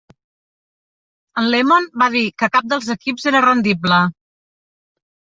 En Lemon va dir que cap dels equips era rendible.